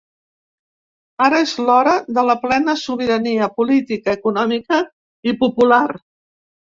Ara és l’hora de la plena sobirania política, econòmica i popular.